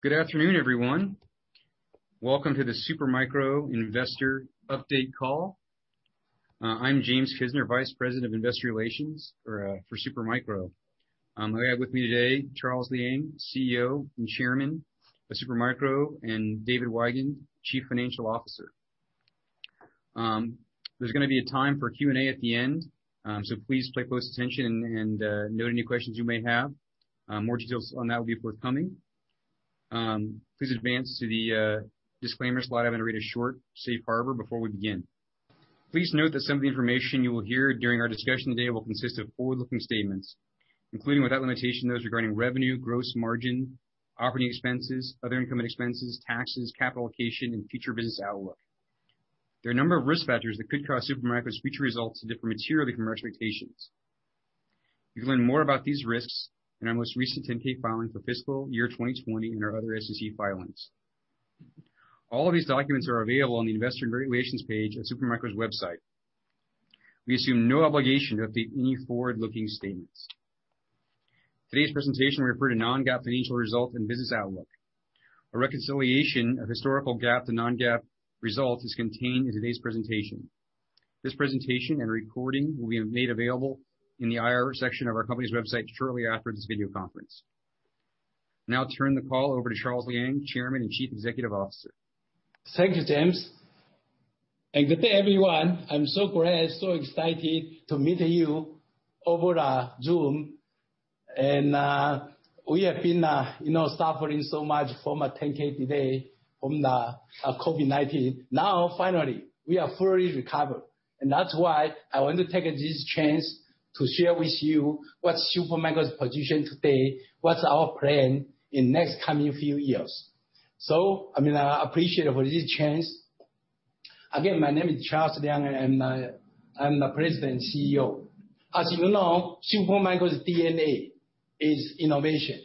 Good afternoon, everyone. Welcome to the Supermicro Investor Update Call. I'm James Kisner, Vice President of Investor Relations for Supermicro. I have with me today Charles Liang, CEO and Chairman of Supermicro, and David Weigand, Chief Financial Officer. There's going to be a time for Q&A at the end. Please pay close attention and note any questions you may have. More details on that will be forthcoming. Please advance to the disclaimer slide. I'm going to read a short safe harbor before we begin. Please note that some of the information you will hear during our discussion today will consist of forward-looking statements, including, without limitation, those regarding revenue, gross margin, operating expenses, other income and expenses, taxes, capital allocation, and future business outlook. There are a number of risk factors that could cause Supermicro's future results to differ materially from our expectations. You can learn more about these risks in our most recent 10-K filing for fiscal year 2020 and our other SEC filings. All of these documents are available on the Investor Relations page at Supermicro's website. We assume no obligation to update any forward-looking statements. Today's presentation will refer to non-GAAP financial results and business outlook. A reconciliation of historical GAAP to non-GAAP results is contained in today's presentation. This presentation and recording will be made available in the IR section of our company's website shortly after this video conference. Now I turn the call over to Charles Liang, Chairman and Chief Executive Officer. Thank you, James, and good day, everyone. I'm so glad, so excited to meet you over zoom. We have been suffering so much from our 10-K delay from the COVID-19. Now, finally, we are fully recovered, and that's why I want to take this chance to share with you what's Supermicro's position today, what's our plan in next coming few years. I appreciate for this chance. Again, my name is Charles Liang. I'm the President and CEO. As you know, Supermicro's DNA is innovation.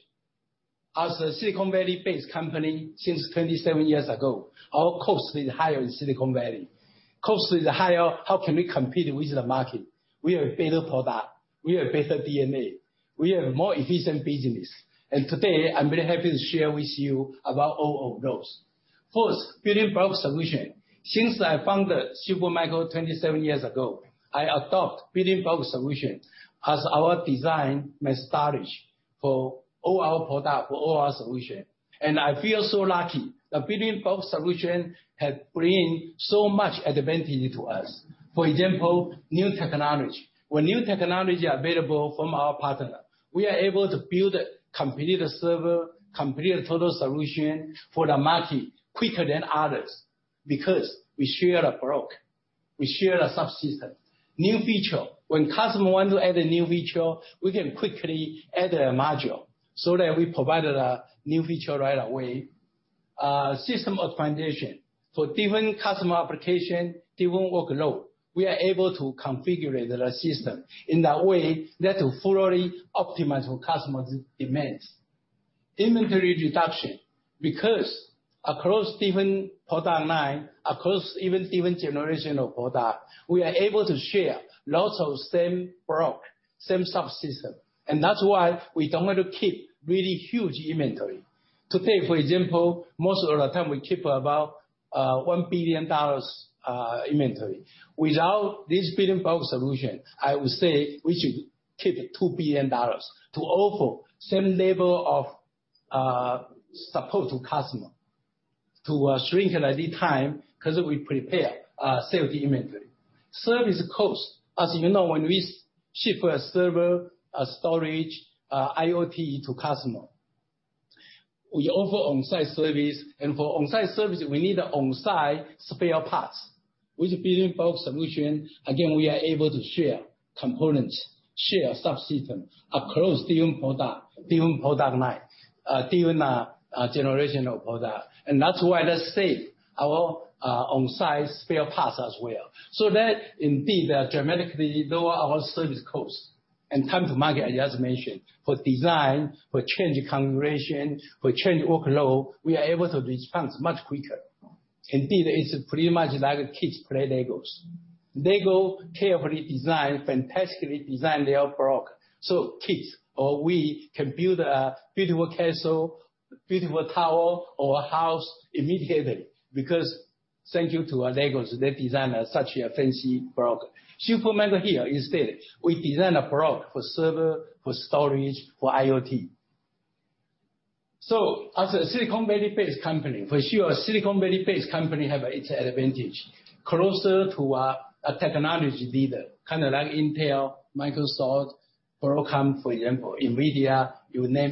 As a Silicon Valley-based company since 27 years ago, our cost is higher in Silicon Valley. Cost is higher, how can we compete with the market? We have better product. We have better DNA. We have more efficient business. Today, I'm very happy to share with you about all of those. First,. Since I founded Supermicro 27 years ago, I adopt Building Block Solution as our design methodology for all our product, for all our solution. I feel so lucky that Building Block Solution has bring so much advantage to us. For example, new technology. When new technology available from our partner, we are able to build complete server, complete total solution for the market quicker than others because we share the block, we share the subsystem. New feature. When customer want to add a new feature, we can quickly add a module so that we provide the new feature right away. System optimization. For different customer application, different workload, we are able to configure the system in a way that will fully optimize for customer demands. Inventory reduction. Across different product line, across even different generation of product, we are able to share lots of same block, same subsystem. That's why we don't want to keep really huge inventory. Today, for example, most of the time we keep about $1 billion inventory. Without this Building Block Solution, I would say we should keep $2 billion to offer same level of support to customer to strengthen the time, because we prepare safety inventory. Service cost. As you know, when we ship a server, a storage, IoT to customer, we offer onsite service. For onsite service, we need onsite spare parts. With Building Block Solution, again, we are able to share components, share subsystem across different product, different product line, different generation of product. That's why they save our onsite spare parts as well. That indeed dramatically lower our service cost and time to market, as I just mentioned. For design, for change configuration, for change workload, we are able to respond much quicker. Indeed, it's pretty much like kids play LEGOs. LEGO carefully design, fantastically design their block so kids or we can build a beautiful castle, beautiful tower or house immediately. Thank you to LEGOs, they design such a fancy block. Supermicro here, instead, we design a block for server, for storage, for IoT. As a Silicon Valley-based company, for sure Silicon Valley-based company have its advantage. Closer to a technology leader, kind of like Intel, Microsoft, Broadcom, for example, NVIDIA, you name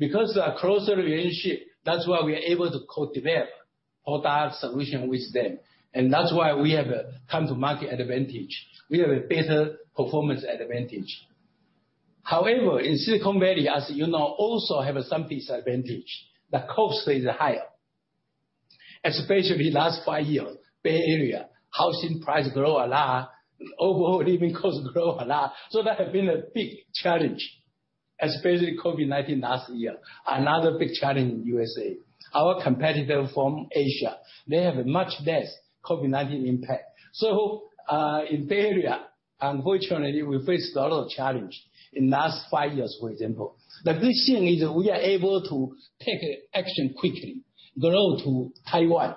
it. A closer relationship, that's why we are able to co-develop product solution with them. That's why we have a time to market advantage. We have a better performance advantage. In Silicon Valley, as you know, we also have some disadvantage. The cost is higher, especially last five years. Bay Area, housing price grow a lot. Overall living cost grow a lot. That have been a big challenge, especially COVID-19 last year. Another big challenge in U.S.A. Our competitor from Asia, they have a much less COVID-19 impact. In Bay Area, unfortunately, we faced a lot of challenge in last five years, for example. Good thing is we are able to take action quickly, grow to Taiwan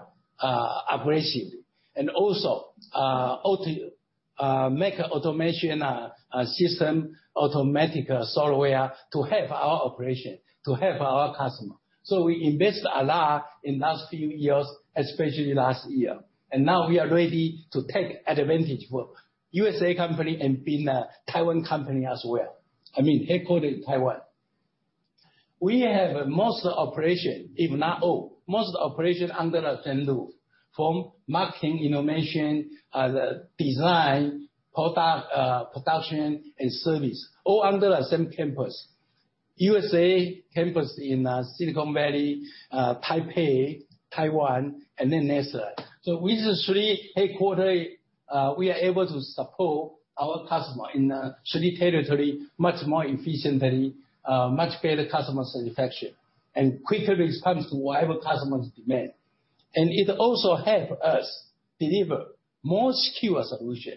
aggressively, and also make automation system, automatic software to help our operation, to help our customer. We invest a lot in last few years, especially last year. Now we are ready to take advantage for U.S.A. company and being a Taiwan company as well. Headquartered in Taiwan. We have most operation, if not all, most operation under the same roof, from marketing, innovation, design, product production, and service, all under the same campus, U.S.A. campus in Silicon Valley, Taipei, Taiwan, and then NASA. With the three headquarters, we are able to support our customer in three territory much more efficiently, much better customer satisfaction, and quicker response to whatever customer's demand. It also help us deliver more secure solution.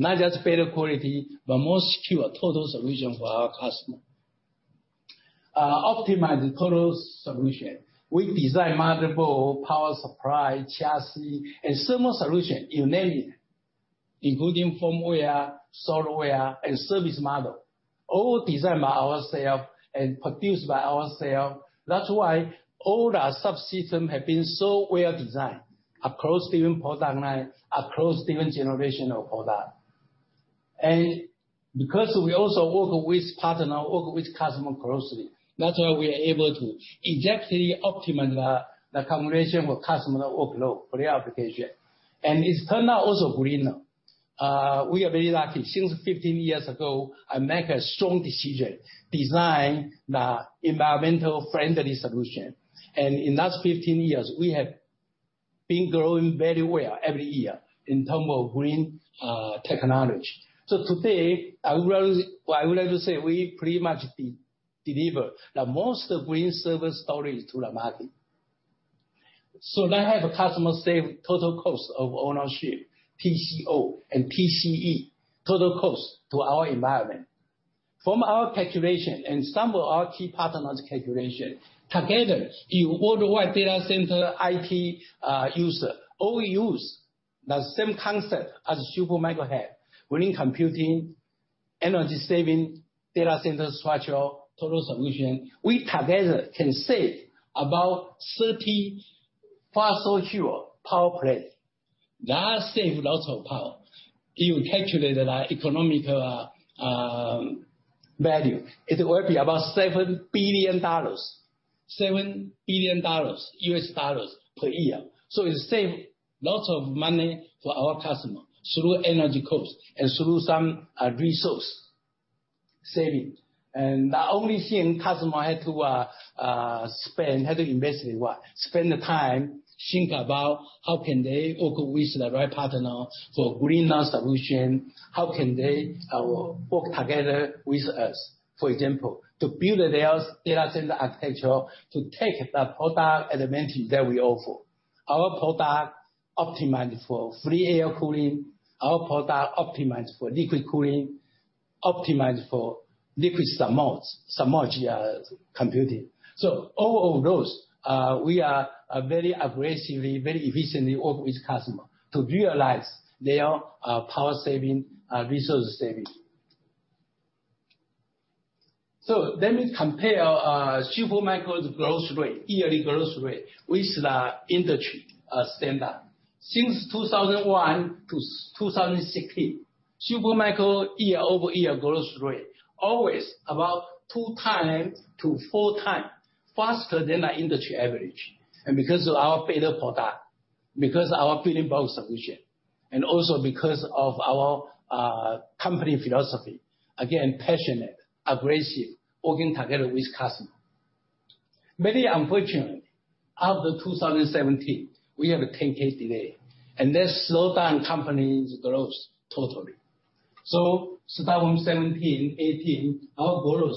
Not just better quality, more secure total solution for our customer. Optimize the total solution. We design multiple power supply, chassis, and thermal solution, you name it, including firmware, software, and service model, all designed by ourself and produced by ourself. That's why all the subsystem have been so well-designed across different product line, across different generation of product. Because we also work with partner, work with customer closely, that's why we are able to exactly optimize the combination with customer workload for their application. It's turned out also greener. We are very lucky. Since 15 years ago, I make a strong decision, design the environmental friendly solution. In last 15 years, we have been growing very well every year in term of green technology. Today, I would like to say, we pretty much deliver the most green server storage to the market. That help customer save total cost of ownership, TCO, and TCE, total cost to our environment. From our calculation and some of our key partners' calculation, together in worldwide data center, IT user, all use the same concept as Supermicro have. Green computing, energy saving, data center structural, total solution. We together can save about 30 fossil fuel power plant. That save lots of power. If you calculate the economical value, it will be about $7 billion. $7 billion, US dollars, per year. It save lots of money for our customer through energy cost and through some resource saving. The only thing customer had to invest in what? Spend the time, think about how can they work with the right partner for greener solution. How can they work together with us, for example, to build their data center architecture, to take the product advantage that we offer. Our product optimized for free air cooling, our product optimized for liquid cooling, optimized for liquid submerged computing. All of those, we are very aggressively, very efficiently work with customer to realize their power saving, resource saving. Let me compare Supermicro's growth rate, yearly growth rate, with the industry standard. Since 2001-2016, Supermicro year-over-year growth rate always about two times to four times faster than the industry average. Because of our better product, because our complete solution, and also because of our company philosophy, again, passionate, aggressive, working together with customer. Very unfortunately, after 2017, we have a 10-K delay, that slow down company's growth totally. Start from 2017, 2018, our growth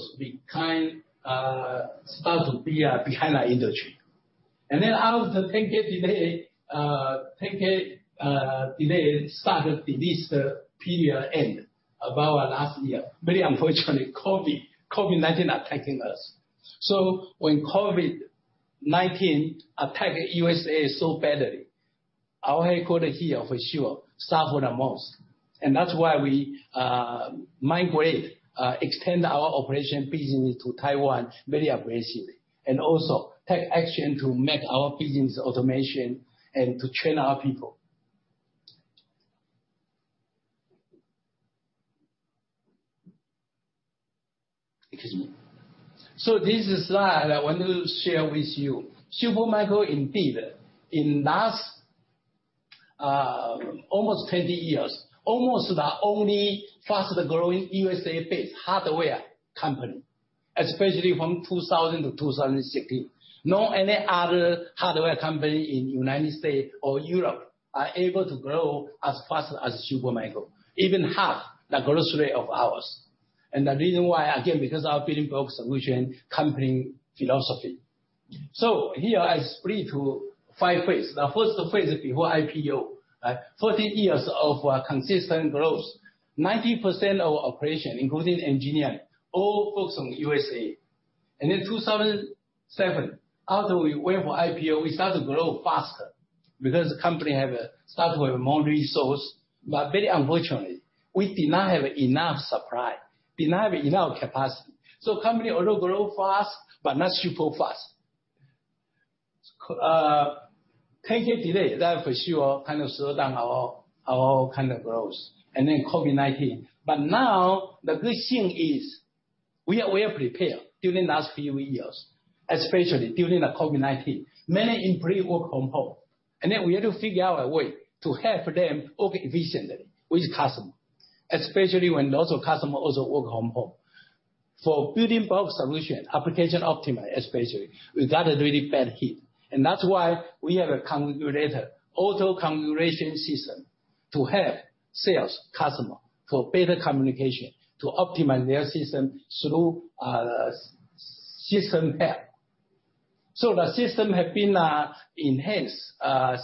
start to be behind the industry. Then out of the 10-K delay, started this period end, about last year. Very unfortunately, COVID-19 attacking us. When COVID-19 attack USA so badly, our headquarter here for sure suffer the most. That's why we migrate, extend our operation business to Taiwan very aggressively, also take action to make our business automation, and to train our people. Excuse me. This slide I want to share with you. Supermicro, indeed, in last almost 20 years, almost the only fastest growing U.S.-based hardware company, especially from 2000-2016. No any other hardware company in U.S. or Europe are able to grow as fast as Supermicro. Even half the growth rate of ours. The reason why, again, because our Building Block Solution company philosophy. Here I split to five phases. The first phase is before IPO, 14 years of consistent growth. 90% of our operation, including engineering, all focused on U.S. In 2007, after we went for IPO, we start to grow faster because the company have started with more resource. Very unfortunately, we did not have enough supply, did not have enough capacity. Company although grow fast, but not super fast. 10-K delay, that for sure, kind of slow down our growth. Then COVID-19. Now the good thing is we are well prepared during last few years, especially during the COVID-19. Many employee work from home. We had to figure out a way to help them work efficiently with customer, especially when lots of customer also work from home. For Building Block Solution, application optimize especially, we got a really bad hit. That's why we have a configurator, auto configuration system to help sales customer for better communication, to optimize their system through system help. The system have been enhanced,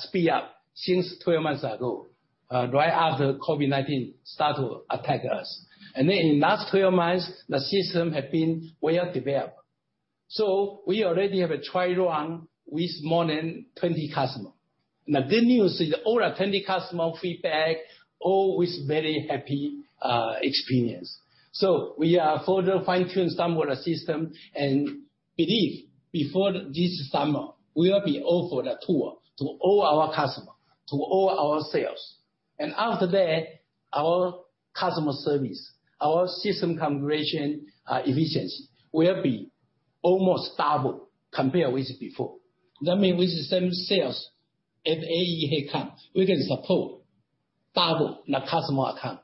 speed up since 12 months ago, right after COVID-19 start to attack us. In last 12 months, the system have been well developed. We already have a trial run with more than 20 customer. Now, the good news is all the 20 customer feedback, all with very happy experience. We are further fine-tune some of the system and believe before this summer, we will be offer the tool to all our customer, to all our sales. After that, our customer service, our system configuration efficiency will be almost double compared with before. That mean with the same sales and AE head count, we can support double the customer account.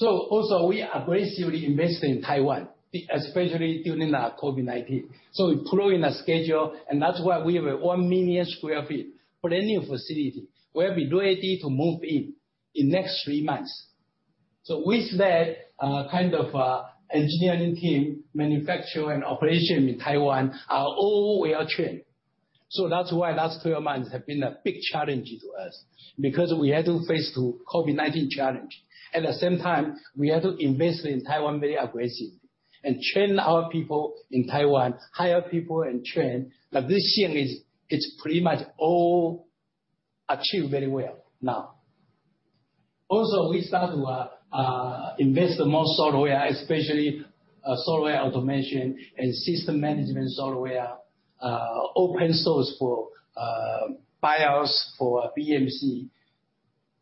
Also we aggressively invested in Taiwan, especially during the COVID-19. We put it in a schedule, and that's why we have a 1 million sq ft brand new facility, will be ready to move in in next three months. With that kind of engineering team, manufacture and operation in Taiwan are all well trained. That's why last 12 months have been a big challenge to us, because we had to face through COVID-19 challenge. At the same time, we had to invest in Taiwan very aggressively, and train our people in Taiwan, hire people and train. This year it's pretty 2U 2-node much all achieved very well now. Also we start to invest in more software, especially software automation and system management software, open source for BIOS, for BMC.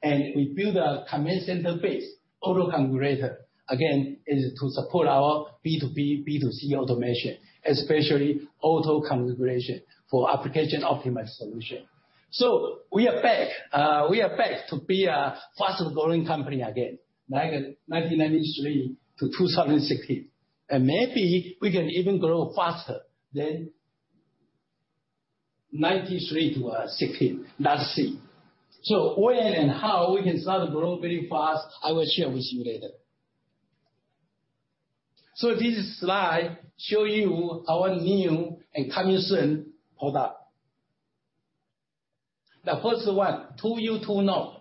We build a Command Center base, auto configurator, again, is to support our B2B, B2C automation, especially auto configuration for application optimized solution. We are back. We are back to be a fast-growing company again, like 1993-2016. Maybe we can even grow faster than 1993-2016. Let's see. When and how we can start to grow very fast, I will share with you later. This slide show you our new and coming soon product. The first one,.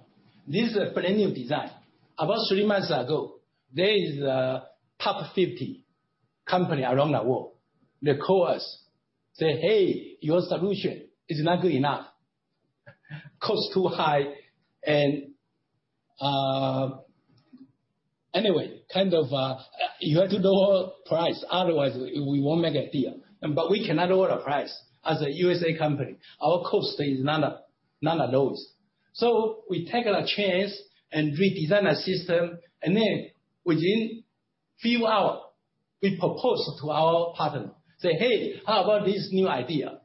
This is a brand new design. About three months ago, there is a top 50 company around the world. They call us, say, "Hey, your solution is not good enough. Cost too high." Anyway, you have to lower price, otherwise, we won't make a deal. We cannot lower the price as a USA company. Our cost is none of those. We take the chance and redesign the system, and then within few hour, we propose to our partner, say, "Hey, how about this new idea?"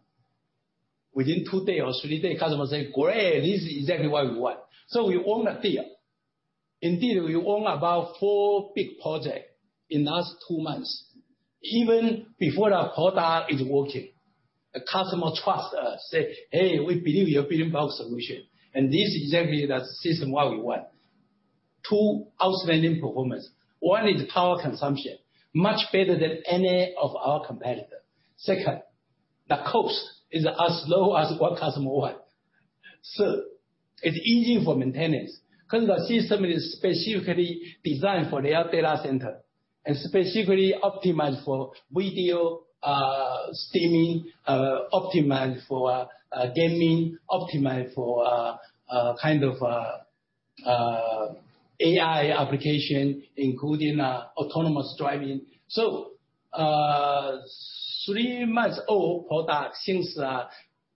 Within two day or three day, customer say, "Great, this is exactly what we want." We won the deal. Indeed, we won about four big project in last two months. Even before the product is working, the customer trust us, say, "Hey, we believe your Building Block Solution. This is exactly the system what we want." Two outstanding performance. One is power consumption, much better than any of our competitor. Second, the cost is as low as what customer want. Third, it's easy for maintenance because the system is specifically designed for their data center and specifically optimized for video, streaming, optimized for gaming, optimized for AI application, including autonomous driving. Three months old product since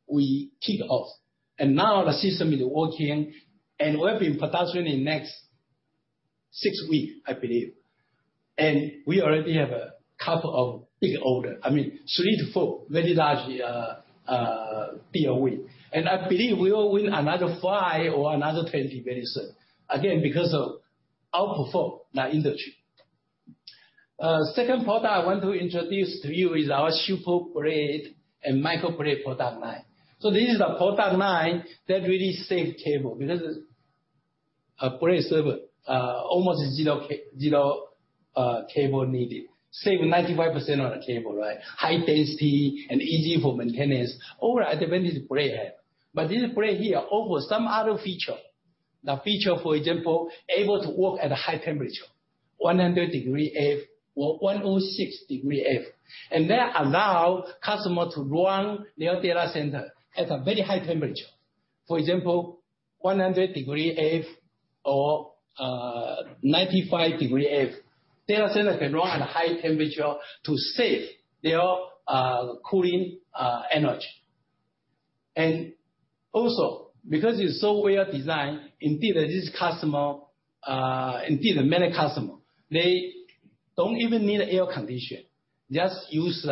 we kick off. Now the system is working, and will be in production in next six week, I believe. We already have a couple of big order. I mean, three to four very large deal win. I believe we will win another five or another 20 very soon. Again, because of outperform the industry. Second product I want to introduce to you is our SuperBlade and MicroBlade product line. This is the product line that really save cable, because blade server, almost zero cable needed. Save 95% on the cable, right? High density and easy for maintenance. All the advantage blade have. This blade here offer some other feature. The feature, for example, able to work at a high temperature, 100 degrees Fahrenheit or 106 degrees Fahrenheit. That allow customer to run their data center at a very high temperature. For example, 100 degrees Fahrenheit or 95 degrees Fahrenheit. Data center can run at a high temperature to save their cooling energy. Also, because it's so well designed, indeed many customer, they don't even need air condition, just use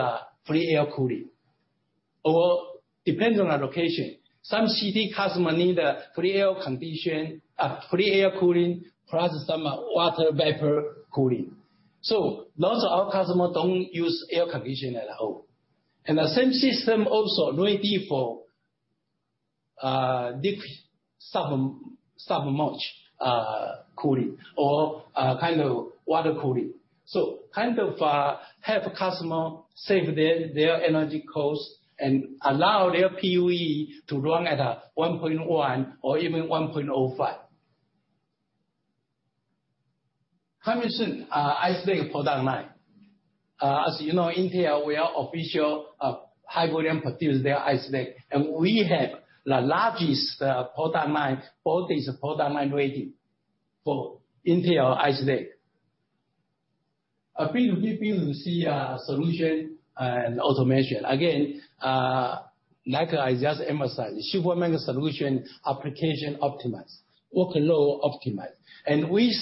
free air cooling. Depends on the location. Some city customer need a free air condition, free air cooling, plus some water vapor cooling. Lots of our customer don't use air condition at all. The same system also ready for deep submerged cooling or water cooling. Help customer save their energy costs and allow their PUE to run at a 1.1 or even 1.05. Commission Ice Lake product line. As you know, Intel, we are official high volume producer their Ice Lake, and we have the largest product line, all these product line ready for Intel Ice Lake. B2B, B2C solution and automation. Again, like I just emphasized, Supermicro solution application optimize, workload optimize. With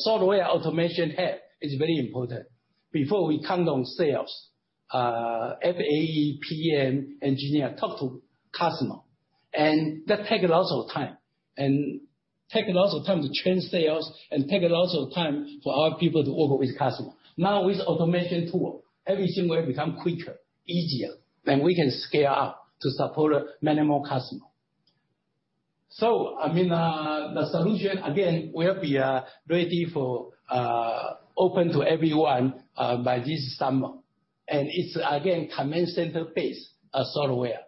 software automation help is very important. Before we count on sales, FAE, PM, engineer, talk to customer. That take a lot of time, and take a lot of time to train sales, and take a lot of time for our people to work with customer. Now with automation tool, everything will become quicker, easier, and we can scale up to support many more customer. The solution, again, will be ready for open to everyone by this summer. It's again, Command Center based software.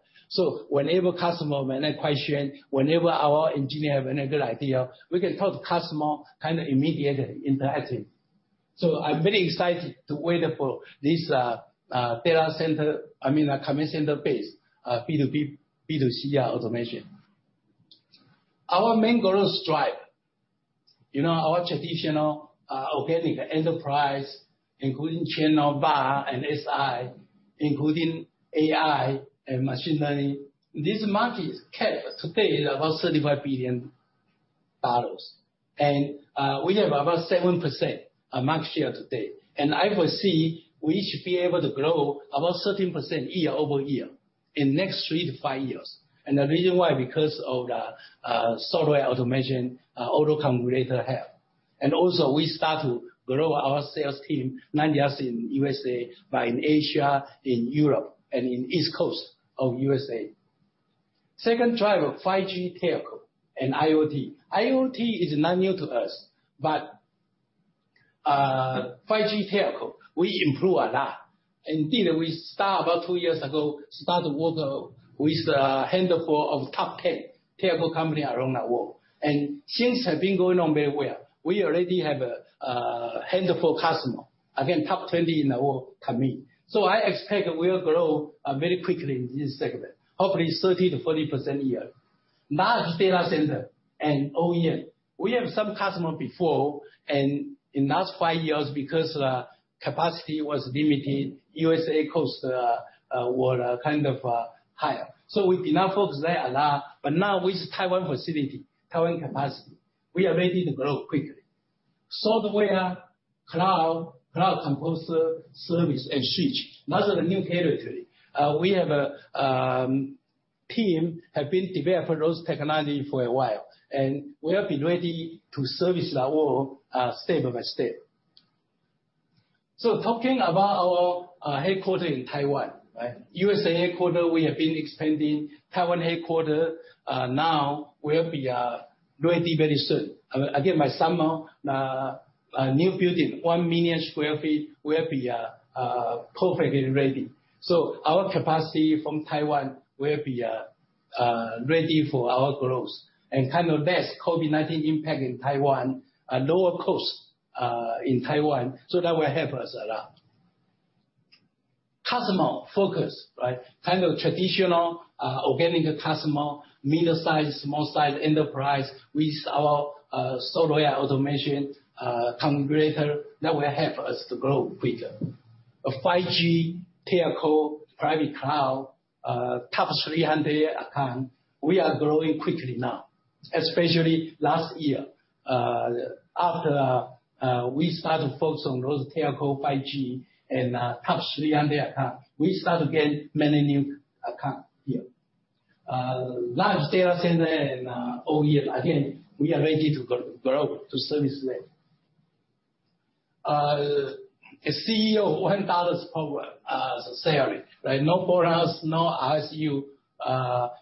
Whenever customer have any question, whenever our engineer have any good idea, we can talk to customer immediately, interactive. I'm very excited to wait for this data center, Command Center based B2B, B2C automation. Our main growth driver. Our traditional organic enterprise, including channel, VAR, and SI, including AI and machine learning. This market cap today is about $35 billion. We have about 7% market share today. I foresee we should be able to grow about 13% year-over-year in next three to five years. The reason why, because of the software automation, auto configurator help. Also, we start to grow our sales team, not just in U.S.A., but in Asia, in Europe, and in East Coast of U.S.A. Second driver, 5G telco and IoT. IoT is not new to us. 5G telco, we improve a lot. Indeed, we start about two years ago, start to work with a handful of top 10 telco company around the world. Things have been going on very well. We already have a handful customer, again, top 20 in the world commit. I expect we'll grow very quickly in this segment, hopefully 30%-40% a year. Large data center and OEM. We have some customer before. In last five years, because capacity was limited, USA cost were higher. We've been not focused there a lot. Now with Taiwan facility, Taiwan capacity, we are ready to grow quickly. Software, cloud, Cloud Composer, service, and switch. Those are the new territory. We have a team, have been developing those technology for a while, and we have been ready to service the world step by step. Talking about our headquarter in Taiwan, right? U.S.A. headquarter, we have been expanding. Taiwan headquarter now will be ready very soon. Again, by summer, new building, 1 million sq ft, will be perfectly ready. Our capacity from Taiwan will be ready for our growth. Less COVID-19 impact in Taiwan, lower cost in Taiwan, so that will help us a lot. Customer focus, right? Traditional, organic customer, middle-size, small size enterprise with our software automation configurator, that will help us to grow quicker. 5G telco, private cloud, top 300 account, we are growing quickly now. Especially last year, after we started to focus on those telco 5G and top 300 account, we started to gain many new account here. Large data center and, over years, again, we are ready to grow to service lane. As CEO, $100 power as a salary. No bonus, no RSU.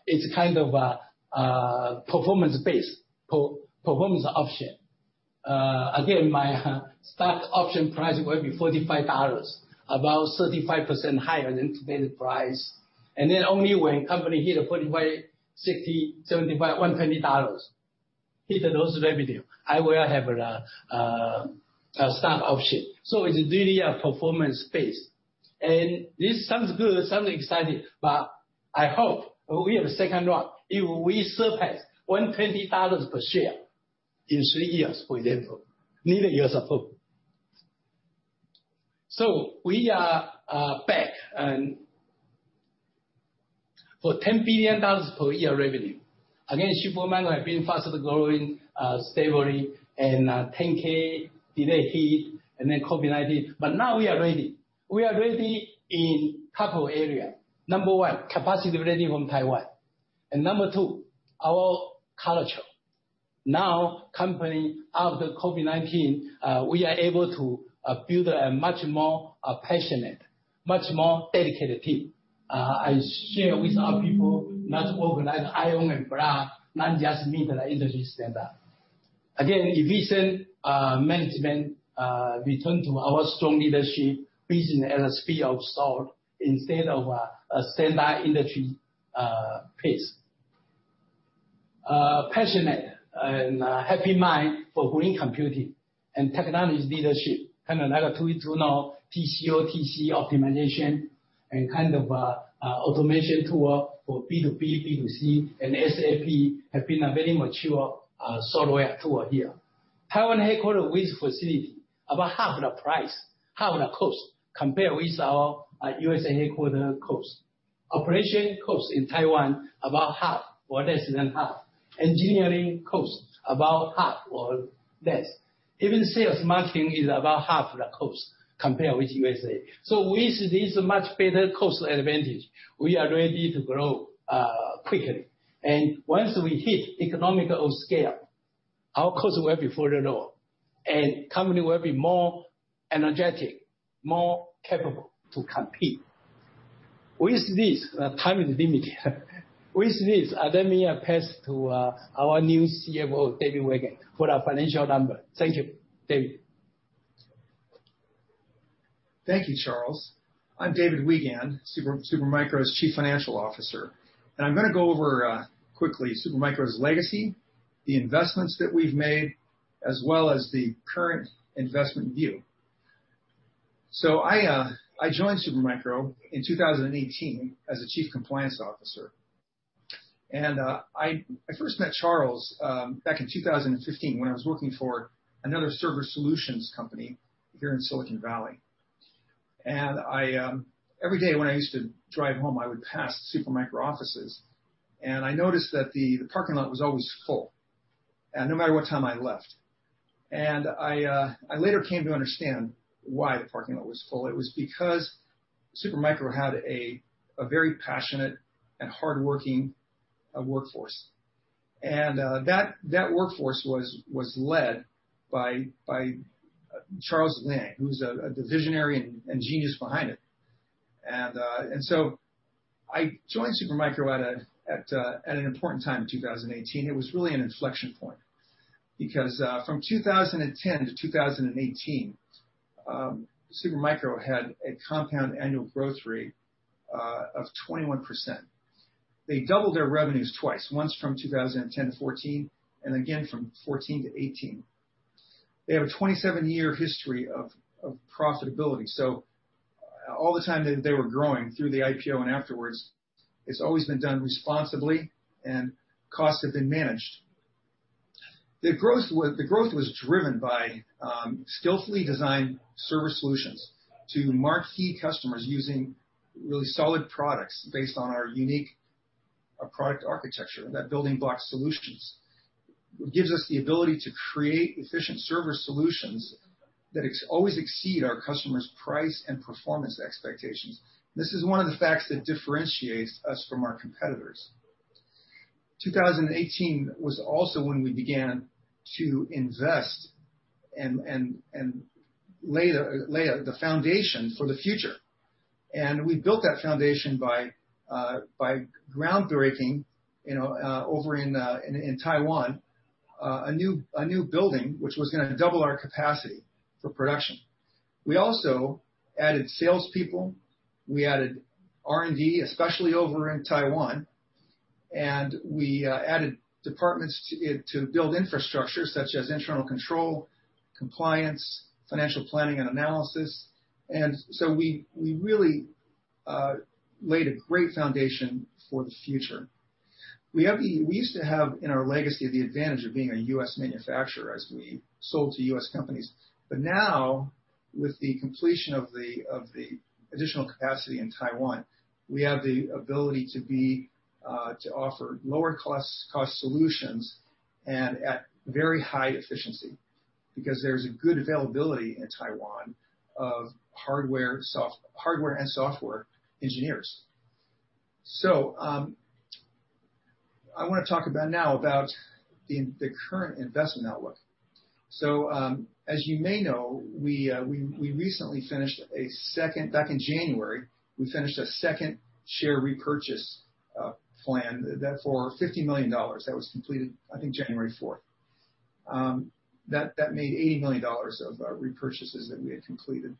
It's kind of a performance-based, performance option. My stock option price will be $45, about 35% higher than today's price. Only when company hit a $45, $60, $75, $120, hit those revenue, I will have a stock option. It's really performance-based. This sounds good, sounds exciting, but I hope we have a second run. If we surpass $120 per share in three years, for example. Need a year or two. We are back and for $10 billion per year revenue. Again, Supermicro have been faster growing, stably and 10-K delay hit and then COVID-19, but now we are ready. We are ready in couple area. Number one, capacity ready from Taiwan. Number two, our culture. Now, company, after COVID-19, we are able to build a much more passionate, much more dedicated team. I share with our people, not organize iron and blood, not just meet the industry standard. Again, efficient management, return to our strong leadership, business at a speed of thought instead of a standard industry pace. Passionate and happy mind for green computing and technologies leadership. Kind of like a tool TCO, TCE optimization and kind of automation tool for B2B, B2C, and SAP have been a very mature software tool here. Taiwan headquarter with facility about half the price, half the cost, compare with our USA headquarter cost. Operation cost in Taiwan about half or less than half. Engineering cost about half or less. Even sales marketing is about half the cost compared with U.S. With this much better cost advantage, we are ready to grow quickly. Once we hit economical scale, our cost will be further low, and company will be more energetic, more capable to compete. With this, time is limited. With this, let me pass to our new CFO, David Weigand, for our financial number. Thank you. David. Thank you, Charles. I'm David Weigand, Supermicro's Chief Financial Officer, and I'm going to go over, quickly, Supermicro's legacy, the investments that we've made, as well as the current investment view. I joined Supermicro in 2018 as the Chief Compliance Officer. I first met Charles back in 2015 when I was working for another server solutions company here in Silicon Valley. Every day when I used to drive home, I would pass Supermicro offices, I noticed that the parking lot was always full no matter what time I left. I later came to understand why the parking lot was full. It was because Supermicro had a very passionate and hardworking workforce. That workforce was led by Charles Liang, who's the visionary and genius behind it. I joined Supermicro at an important time in 2018. It was really an inflection point because, from 2010-2018, Supermicro had a compound annual growth rate of 21%. They doubled their revenues twice, once from 2010 to 2014, and again from 2014 to 2018. They have a 27-year history of profitability. All the time that they were growing through the IPO and afterwards, it's always been done responsibly and costs have been managed. The growth was driven by skillfully designed server solutions to marquee customers using really solid products based on our unique product architecture, that Building Block Solution. It gives us the ability to create efficient server solutions that always exceed our customers' price and performance expectations. This is one of the facts that differentiates us from our competitors. 2018 was also when we began to invest and lay the foundation for the future. We built that foundation by groundbreaking over in Taiwan, a new building, which was going to double our capacity for production. We also added salespeople. We added R&D, especially over in Taiwan, and we added departments to build infrastructure such as internal control, compliance, financial planning, and analysis. We really laid a great foundation for the future. We used to have, in our legacy, the advantage of being a U.S. manufacturer as we sold to U.S. companies. Now, with the completion of the additional capacity in Taiwan, we have the ability to offer lower cost solutions and at very high efficiency. Because there's a good availability in Taiwan of hardware and software engineers. I want to talk now about the current investment outlook. As you may know, we recently finished back in January, we finished a second share repurchase plan for $50 million. That was completed, I think, January 4th. That made $80 million of repurchases that we had completed.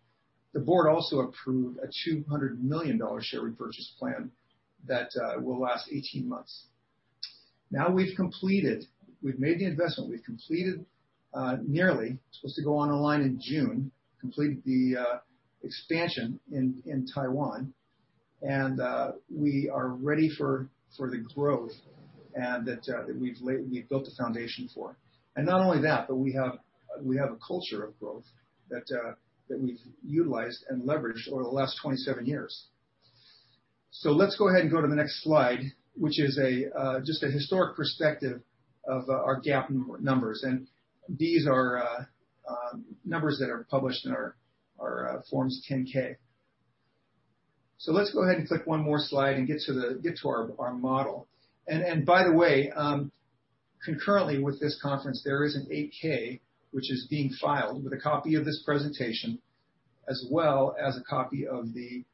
The board also approved a $200 million share repurchase plan that will last 18 months. We've completed, we've made the investment. We've completed, nearly, supposed to go online in June, completed the expansion in Taiwan and we are ready for the growth that we've built a foundation for. Not only that, but we have a culture of growth that we've utilized and leveraged over the last 27 years. Let's go ahead and go to the next slide, which is just a historic perspective of our GAAP numbers. These are numbers that are published in our Forms 10-K. Let's go ahead and click one more slide and get to our model. By the way, concurrently with this conference, there is an 8-K, which is being filed with a copy of this presentation, as well as a copy of the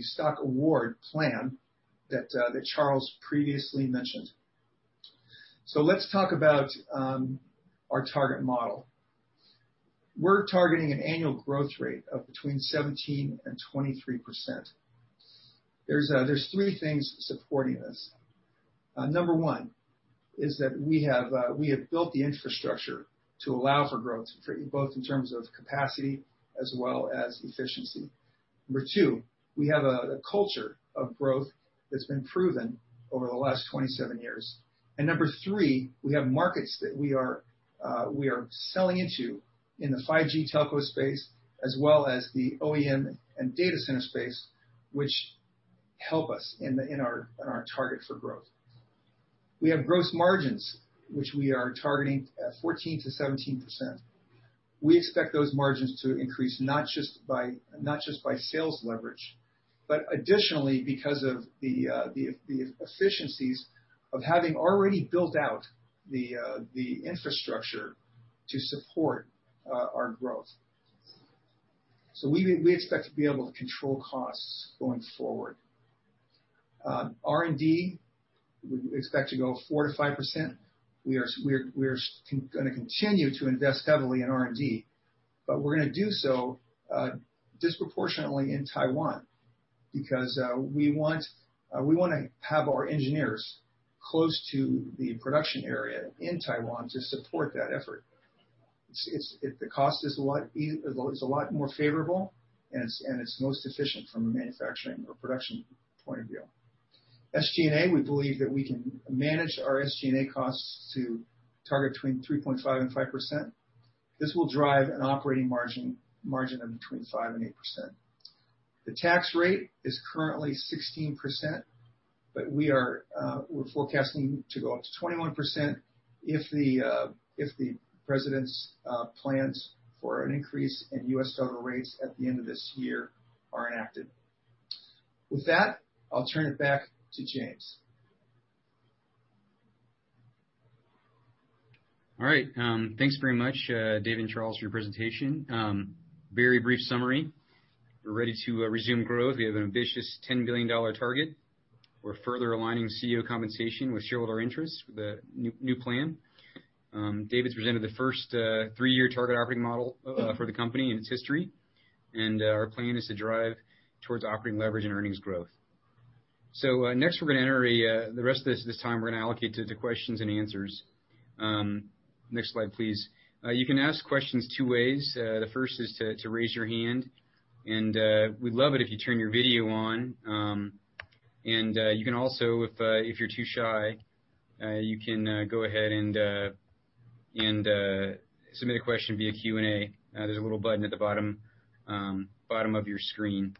stock award plan that Charles previously mentioned. Let's talk about our target model. We're targeting an annual growth rate of between 17%-23%. There's three things supporting this. Number one is that we have built the infrastructure to allow for growth, both in terms of capacity as well as efficiency. Number two, we have a culture of growth that's been proven over the last 27 years. Number three, we have markets that we are selling into in the 5G telco space, as well as the OEM and data center space, which help us in our target for growth. We have gross margins, which we are targeting at 14%-17%. We expect those margins to increase not just by sales leverage, but additionally because of the efficiencies of having already built out the infrastructure to support our growth. We expect to be able to control costs going forward. R&D, we expect to go 4%-5%. We're going to continue to invest heavily in R&D, but we're going to do so disproportionately in Taiwan, because we want to have our engineers close to the production area in Taiwan to support that effort. The cost is a lot more favorable, and it's most efficient from a manufacturing or production point of view. SG&A, we believe that we can manage our SG&A costs to target between 3.5% and 5%. This will drive an operating margin in between 5% and 8%. The tax rate is currently 16%, but we're forecasting to go up to 21% if the President's plans for an increase in U.S. federal rates at the end of this year are enacted. With that, I'll turn it back to James. All right. Thanks very much, David and Charles, for your presentation. Very brief summary. We're ready to resume growth. We have an ambitious $10 billion target. We're further aligning CEO compensation with shareholder interests with the new plan. David has presented the first three-year target operating model for the company in its history. Our plan is to drive towards operating leverage and earnings growth. Next, the rest of this time, we're going to allocate to the questions and answers. Next slide, please. You can ask questions two ways. The first is to raise your hand, and we'd love it if you turn your video on. You can also, if you're too shy, you can go ahead and submit a question via Q&A. There's a little button at the bottom of your screen.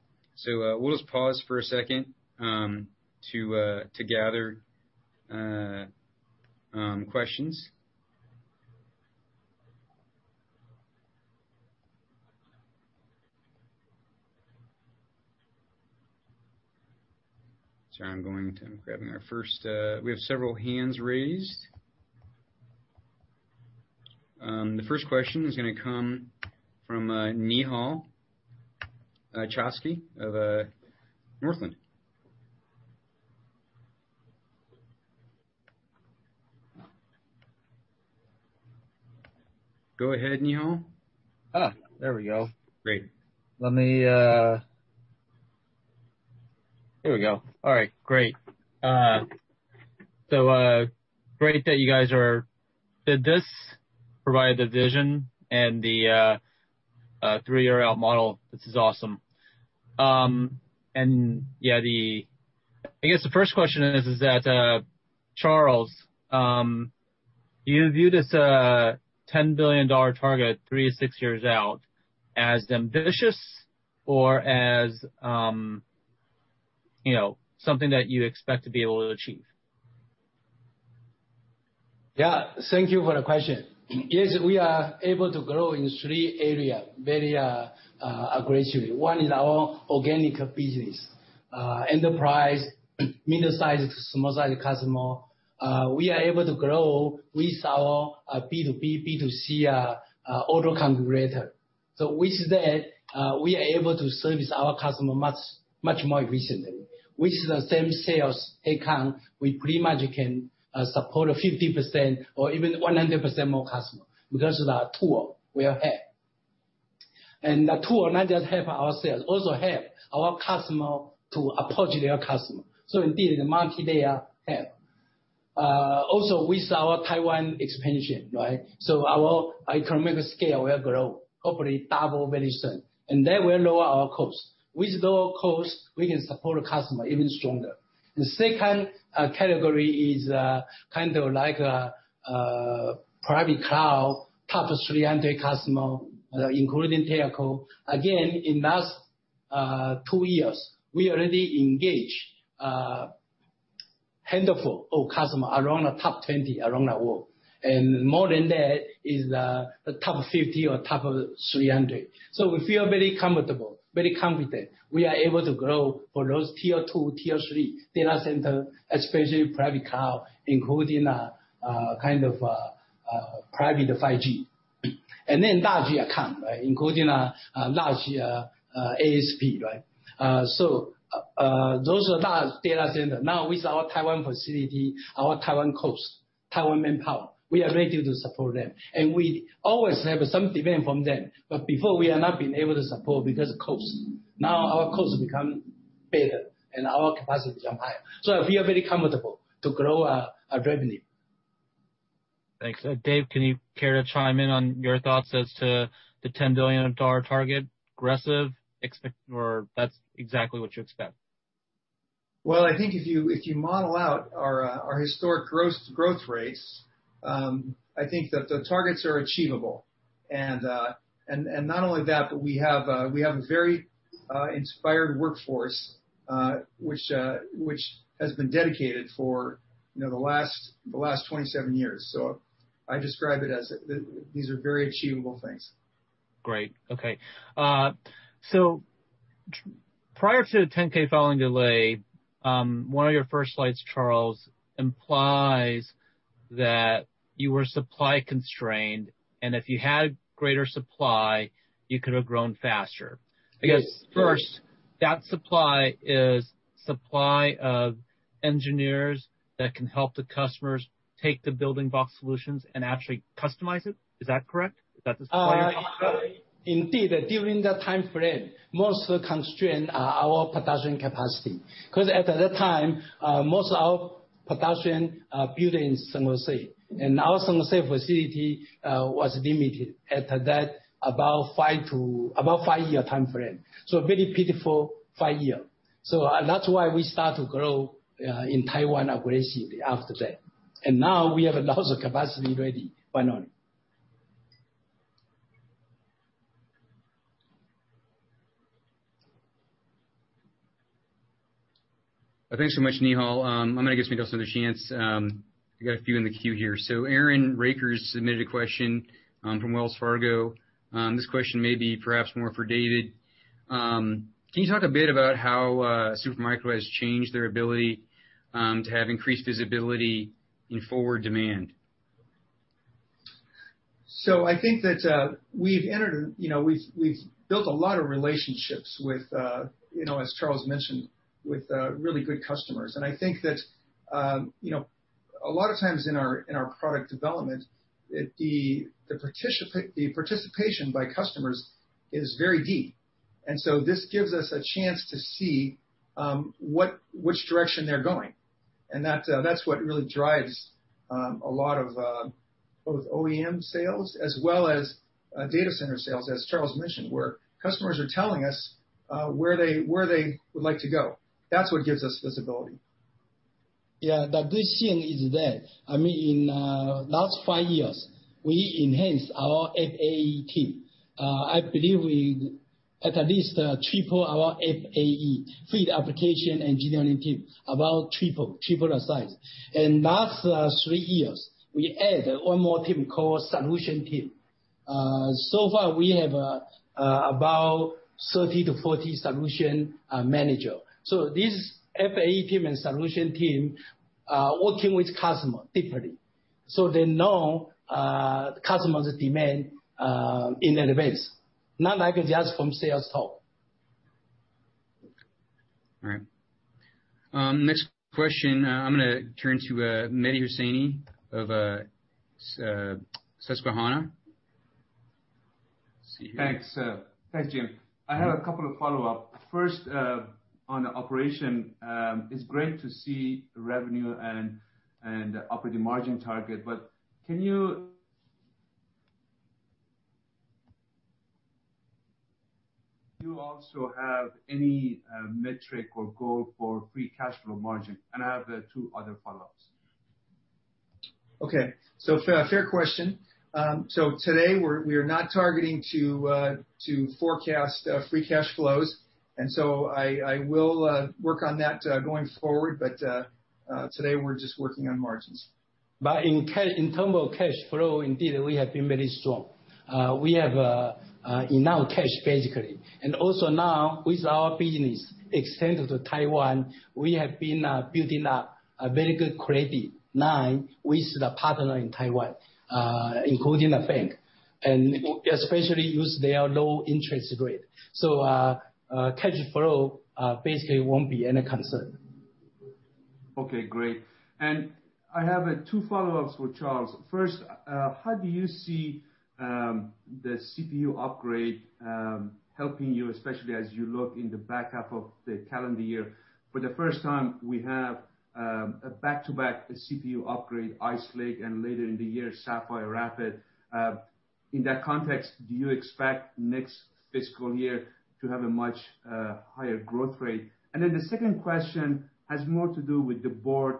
We'll just pause for a second to gather questions. So I'm going to grabbing our first. We have several hands raised. The first question is going to come from Nehal Chokshi of Northland. Go ahead, Nehal. There we go. Great. Here we go. All right, great. Great that you guys did this, provided the vision and the three-year out model. This is awesome. Yeah, I guess the first question is that, Charles, do you view this $10 billion target three to six years out as ambitious or as something that you expect to be able to achieve? Yeah. Thank you for the question. Yes, we are able to grow in three areas very aggressively. One is our organic business. Enterprise, middle-sized to small-sized customer, we are able to grow with our B2B, B2C Autoconfigurator. With that, we are able to service our customer much more recently. With the same sales account, we pretty much can support 50% or even 100% more customer because of the tool we have. The tool not just help ourselves, also help our customer to approach their customer. Indeed, the multi-layer help. Also with our Taiwan expansion, right? Our economic scale will grow, hopefully double very soon. That will lower our cost. With lower cost, we can support the customer even stronger. The second category is kind of like a private cloud, top 300 customer, including Telco. In last two years, we already engaged a handful of customer around the top 20 around the world. More than that is the top 50 or top 300. We feel very comfortable, very confident. We are able to grow for those tier 2, tier 3 data center, especially private cloud, including a kind of private 5G. Large account, including a large ASP. Those are large data center. Now with our Taiwan facility, our Taiwan cost, Taiwan manpower, we are ready to support them. We always have some demand from them. Before we have not been able to support because of cost. Now our cost become better and our capacity become higher. We are very comfortable to grow our revenue. Thanks. Dave, can you care to chime in on your thoughts as to the $10 billion target, aggressive or that's exactly what you expect? I think if you model out our historic growth rates, I think that the targets are achievable. Not only that, but we have a very inspired workforce, which has been dedicated for the last 27 years. I describe it as these are very achievable things. Great. Okay. Prior to the 10-K filing delay, one of your first slides, Charles, implies that you were supply constrained, and if you had greater supply, you could have grown faster. First, that supply is supply of engineers that can help the customers take the Building Block Solution and actually customize it. Is that correct? Is that the supply you're talking about? Indeed. During that timeframe, most constrained are our production capacity, because at that time, most of our production build in San Jose. Our San Jose facility was limited at that about five-year timeframe. Very pitiful five year. That's why we start to grow in Taiwan aggressively after that. Now we have a lot of capacity ready finally. Thanks so much, Nehal. I'm going to give somebody else another chance. I got a few in the queue here. Aaron Rakers submitted a question from Wells Fargo. This question may be perhaps more for David. Can you talk a bit about how Supermicro has changed their ability to have increased visibility in forward demand? I think that we've built a lot of relationships with, as Charles mentioned, with really good customers. I think that a lot of times in our product development, the participation by customers is very deep. This gives us a chance to see which direction they're going. That's what really drives a lot of both OEM sales as well as data center sales, as Charles mentioned, where customers are telling us where they would like to go. That's what gives us visibility. Yeah. The vision is there. In last five years, we enhanced our FAE team. I believe we at least triple our FAE, field application engineering team, about triple the size. Last three years, we add one more team called solution team. Far, we have about 30-40 solution manager. This FAE team and solution team are working with customer differently. They know customers' demand in advance, not like just from sales talk. All right. Next question, I'm going to turn to Mehdi Hosseini of Susquehanna. Let's see here. Thanks. Thanks, Jim. I have a couple of follow-up. First, on the operation, it's great to see revenue and operating margin target, can you also have any metric or goal for free cash flow margin? I have two other follow-ups. Okay. Fair question. Today, we are not targeting to forecast free cash flows, I will work on that going forward. Today, we're just working on margins. In terms of cash flow, indeed, we have been very strong. We have enough cash, basically. Also now, with our business extended to Taiwan, we have been building up a very good credit line with the partner in Taiwan, including a bank, and especially use their low interest rate. Cash flow basically won't be any concern. Okay, great. I have two follow-ups with Charles. First, how do you see the CPU upgrade helping you, especially as you look in the back half of the calendar year? For the first time, we have a back-to-back CPU upgrade, Ice Lake and later in the year, Sapphire Rapids. In that context, do you expect next fiscal year to have a much higher growth rate? The second question has more to do with the board.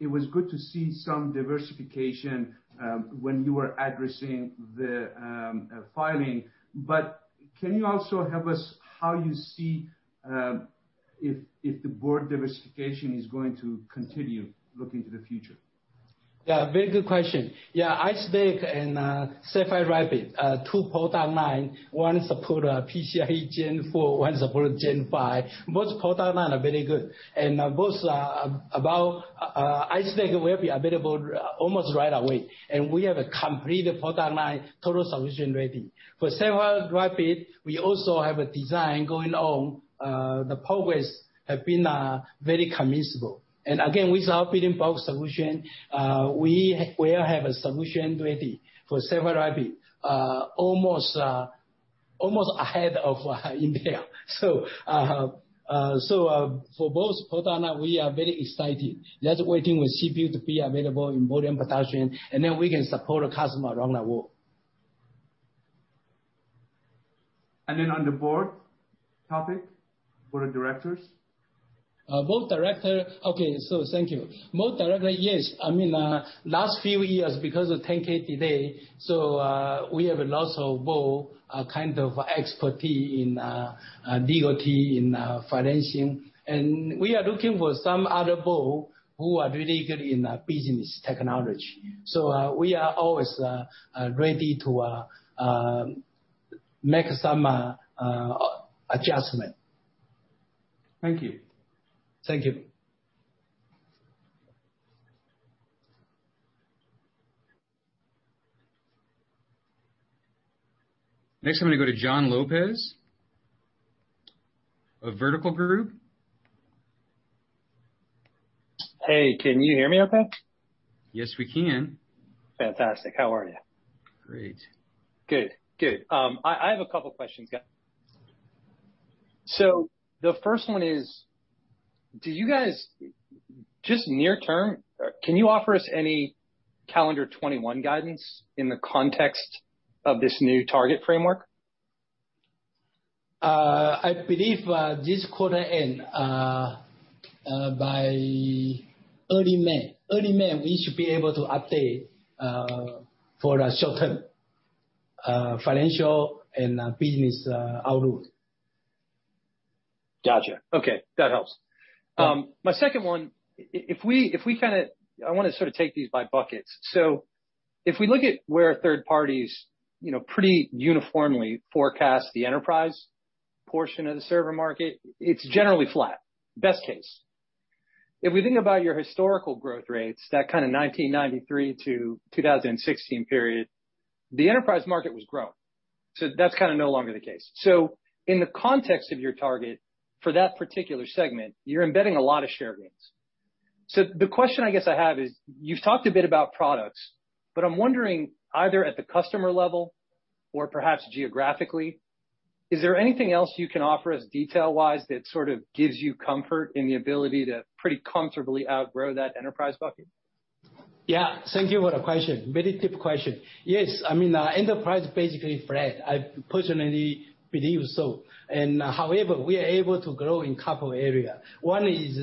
It was good to see some diversification when you were addressing the filing. Can you also help us how you see if the board diversification is going to continue look into the future? Very good question. Yeah. Ice Lake and Sapphire Rapids, two product line. One support PCIe Gen4, one support Gen5. Both product line are very good. Ice Lake will be available almost right away. We have a complete product line, total solution ready. For Sapphire Rapids, we also have a design going on. The progress have been very commendable. Again, with our Building Block Solution, we will have a solution ready for Sapphire Rapids almost ahead of Intel. For both product line, we are very excited. Just waiting with CPU to be available in volume production, and then we can support a customer around the world. On the board topic for the directors? Board director. Okay. Thank you. Board director. Yes. Last few years, because of 10-K delay, so we have lots of board kind of expertise in D&T, in financing. We are looking for some other board who are really good in business technology. We are always ready to make some adjustment. Thank you. Thank you. Next, I'm going to go to John Lopez of Vertical Group. Hey, can you hear me okay? Yes, we can. Fantastic. How are you? Great. Good. I have a couple questions. The first one is, do you guys, just near term, can you offer us any calendar 2021 guidance in the context of this new target framework? I believe this quarter end, by early May. Early May, we should be able to update for the short term financial and business outlook. Got you. Okay. That helps. Yeah. My second one, I want to sort of take these by buckets. If we look at where third parties pretty uniformly forecast the enterprise portion of the server market, it's generally flat. Best case. If we think about your historical growth rates, that kind of 1993-2016 period, the enterprise market was growing. That's kind of no longer the case. In the context of your target for that particular segment, you're embedding a lot of share gains. The question I guess I have is, you've talked a bit about products, but I'm wondering, either at the customer level or perhaps geographically, is there anything else you can offer us detail-wise that sort of gives you comfort in the ability to pretty comfortably outgrow that enterprise bucket? Yeah. Thank you for the question. Very deep question. Yes. Enterprise basically flat. I personally believe so. However, we are able to grow in couple area. One is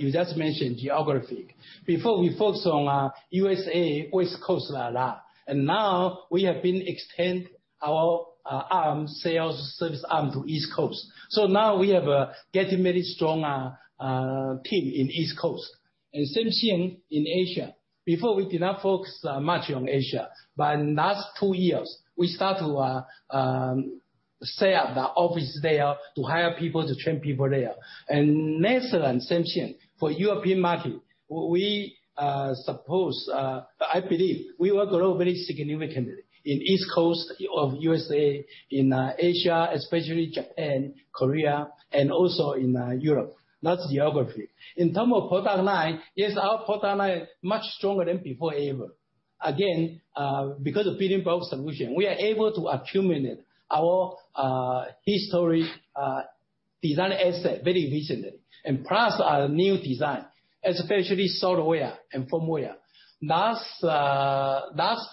you just mentioned geographic. Before we focus on U.S.A. West Coast a lot. Now we have been extend our arm sales service arm to East Coast. Now we have getting very strong team in East Coast. Same thing in Asia. Before, we did not focus much on Asia. Last two years, we start to set up the office there to hire people, to train people there. Lesser and same thing for European market. We suppose, I believe we will grow very significantly in East Coast of U.S.A., in Asia, especially Japan, Korea, and also in Europe. That's geography. In term of product line, yes, our product line much stronger than before ever. Because of Building Block Solution, we are able to accumulate our history design asset very recently. Plus our new design, especially software and firmware. Last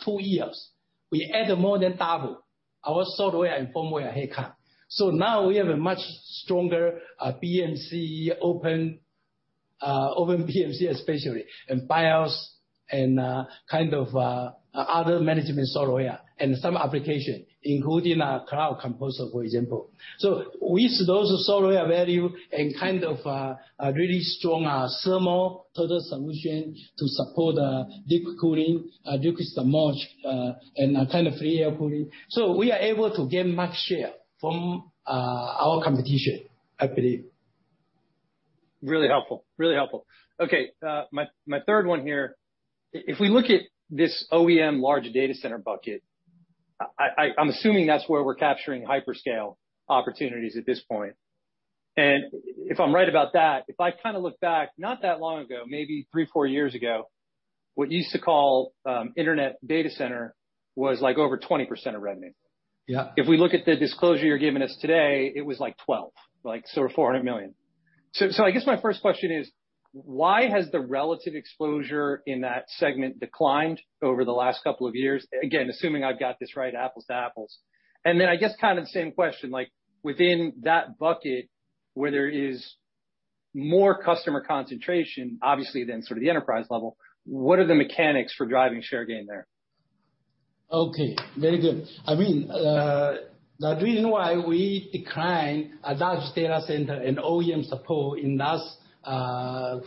two years, we added more than double our software and firmware headcount. Now we have a much stronger OpenBMC especially, and BIOS and other management software and some application, including our SuperCloud Composer, for example. With those software value and a really strong thermal total solution to support deep cooling, liquid submerged, and free air cooling, we are able to gain much share from our competition, I believe. Really helpful. Okay. My third one here. If we look at this OEM large data center bucket, I'm assuming that's where we're capturing hyperscale opportunities at this point. If I'm right about that, if I look back not that long ago, maybe three, four years ago, what you used to call internet data center was over 20% of revenue. Yeah. If we look at the disclosure you're giving us today, it was like 12, so $400 million. I guess my first question is, why has the relative exposure in that segment declined over the last couple of years? Again, assuming I've got this right, apples to apples. I guess kind of the same question, within that bucket where there is more customer concentration, obviously than sort of the enterprise level, what are the mechanics for driving share gain there? Okay, very good. The reason why we declined a large data center and OEM support in last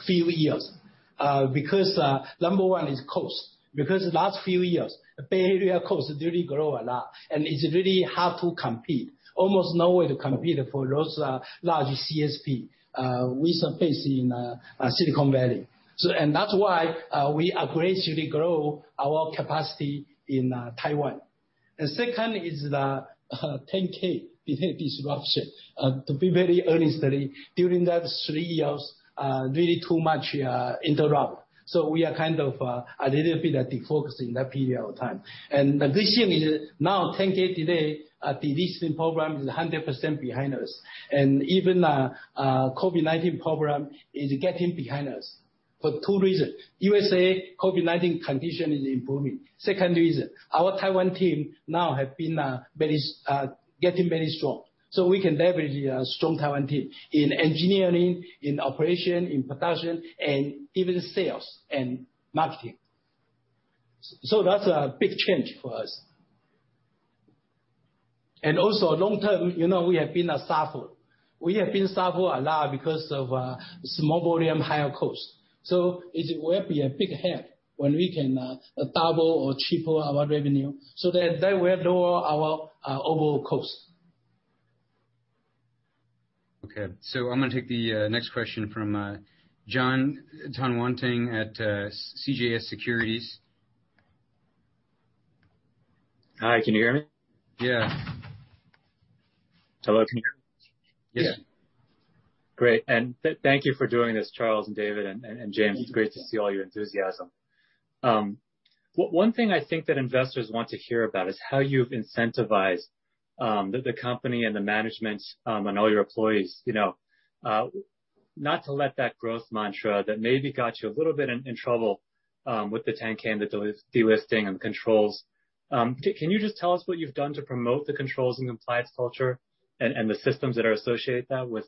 few years, because number one is cost. Because last few years, Bay Area cost really grow a lot. It's really hard to compete. Almost no way to compete for those large CSP we serve in Silicon Valley. That's why we gradually grow our capacity in Taiwan. The second is the 10-K delay disruption. To be very honestly, during that three years really too much interruption. We are kind of a little bit defocused in that period of time. The good thing is now 10-K today delisting program is 100% behind us. Even COVID-19 program is getting behind us for two reasons. USA COVID-19 condition is improving. Second reason, our Taiwan team now have been getting very strong. We can leverage strong Taiwan team in engineering, in operation, in production, and even sales and marketing. That's a big change for us. Also long term, we have been suffered a lot because of small volume, higher cost. It will be a big help when we can double or triple our revenue. That way lower our overall cost. I'm going to take the next question from John Tanwanteng at CJS Securities. Hi, can you hear me? Yeah. Hello, can you hear me? Yeah. Great, thank you for doing this, Charles and David and James. It's great to see all your enthusiasm. One thing I think that investors want to hear about is how you've incentivized, the company and the management, and all your employees, not to let that growth mantra that maybe got you a little bit in trouble, with the 10-K and the delisting and controls. Can you just tell us what you've done to promote the controls and compliance culture and the systems that are associated with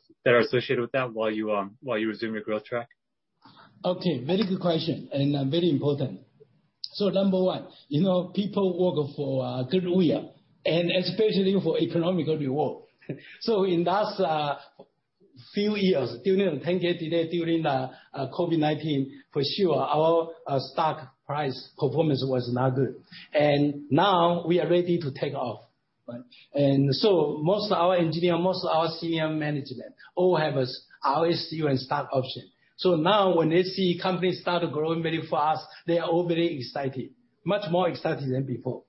that while you resume your growth track? Okay, very good question, very important. Number one. People work for good will, and especially for economical reward. In last few years, during 10-K delay, during the COVID-19, for sure our stock price performance was not good. Now we are ready to take off, right. Most of our engineer, most of our senior management all have RSU and stock option. Now when they see company start growing very fast, they are all very excited, much more excited than before.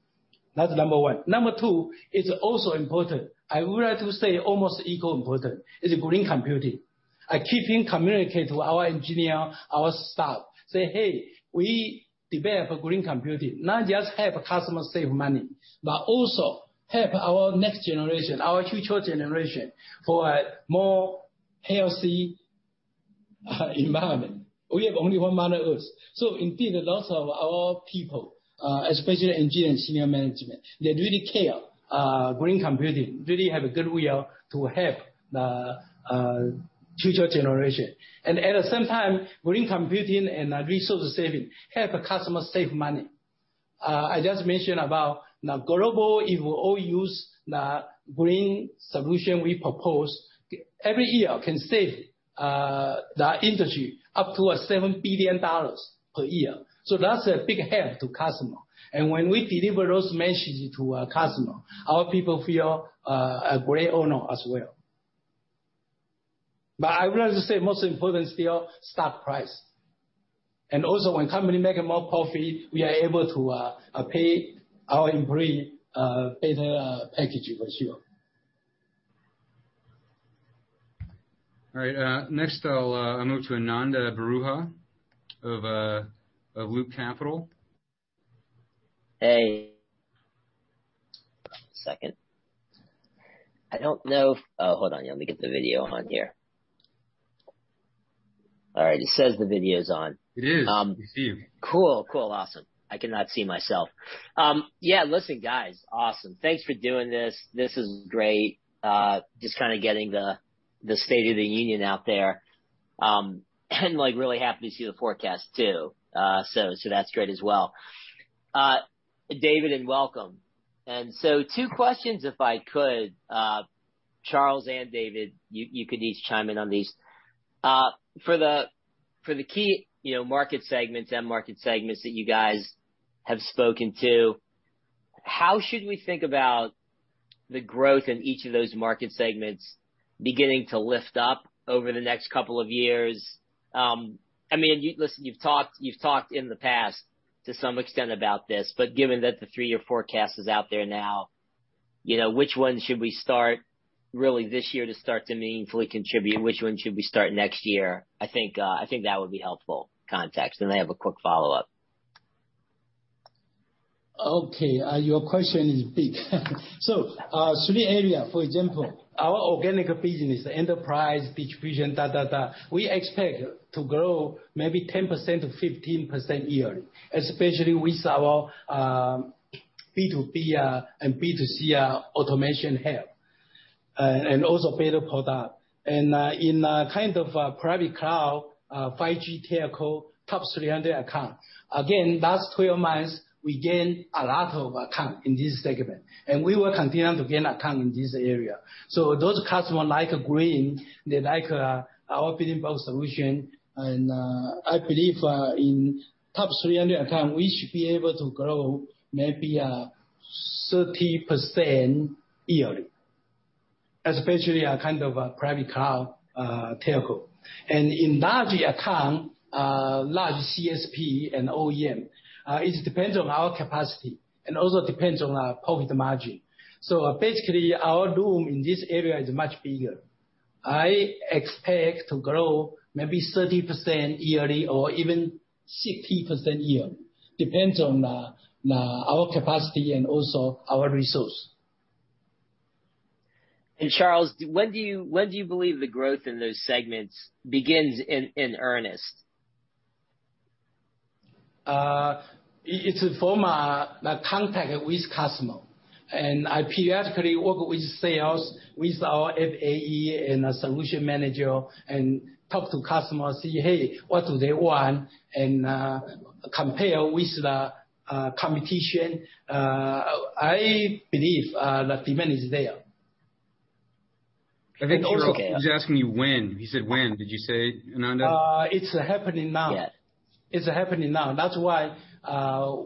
That's number one. Number two is also important. I would like to say almost equal important, is green computing. I keeping communicate to our engineer, our staff, say, "Hey, we develop green computing, not just help customer save money, but also help our next generation, our future generation, for a more healthy environment." We have only one Mother Earth. Indeed, a lot of our people, especially engineer and senior management, they really care green computing, really have a good will to help the future generation. At the same time, green computing and resource saving help customer save money. I just mentioned about now global, if we all use the green solution we propose, every year can save the energy up to $7 billion per year. That's a big help to customer. When we deliver those messages to customer, our people feel great honor as well. I would like to say most important still, stock price. Also when company making more profit, we are able to pay our employee better package for sure. All right. Next I'll move to Ananda Baruah of Loop Capital. Hey. One second. Hold on, let me get the video on here. All right. It says the video's on. It is. We see you. Cool. Awesome. I cannot see myself. Yeah, listen, guys. Awesome. Thanks for doing this. This is great. Just kind of getting the state of the union out there. Really happy to see the forecast too. So that's great as well. David, and welcome. Two questions, if I could. Charles and David, you could each chime in on these. For the key market segments and market segments that you guys have spoken to, how should we think about the growth in each of those market segments beginning to lift up over the next couple of years? You've talked in the past, to some extent, about this, but given that the three-year forecast is out there now, which one should we start really this year to start to meaningfully contribute? Which one should we start next year? I think that would be helpful context. I have a quick follow-up. Okay. Your question is big. Three area, for example, our organic business, the enterprise division, we expect to grow maybe 10%-15% yearly, especially with our B2B and B2C automation help. Also better product. In kind of a private cloud, 5G telco top 300 account. Again, last 12 months, we gain a lot of account in this segment, and we will continue to gain account in this area. Those customer like green, they like our Building Block Solution. I believe, in top 300 account, we should be able to grow maybe 30% yearly, especially a kind of a private cloud telco. In large account, large CSP and OEM, it depends on our capacity and also depends on our profit margin. Basically, our room in this area is much bigger. I expect to grow maybe 30% yearly or even 60% yearly. Depends on our capacity and also our resource. Charles, when do you believe the growth in those segments begins in earnest? It's from a contact with customer. I periodically work with sales, with our FAE and a solution manager and talk to customers, see, hey, what do they want, and compare with the competition. I believe the demand is there. I think he's asking you when. He said when. Did you say, Ananda? It's happening now. Yeah. It's happening now. That's why